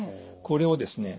これをですね